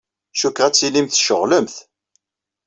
Cikkeɣ ad tilimt tceɣlemt.